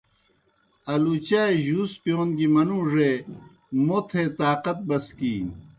آلُوچائے جُوس پِیون گیْ منُوڙے موتھے طاقت بسکِینیْ۔